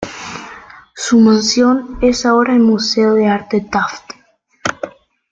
Su mansión es ahora el Museo de Arte Taft.